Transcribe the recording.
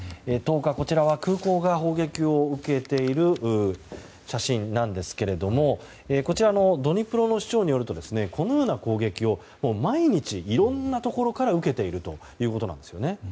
１０日、空港が砲撃を受けている写真なんですがこちらのドニプロの市長によりますとこのような攻撃を毎日、いろんなところから受けているということなんです。